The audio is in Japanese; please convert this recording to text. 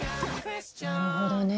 なるほどね。